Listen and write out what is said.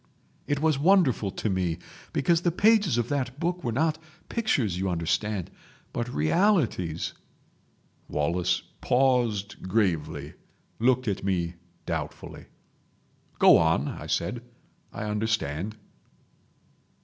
. "It was wonderful to me, because the pages of that book were not pictures, you understand, but realities." Wallace paused gravely—looked at me doubtfully. "Go on," I said. "I understand."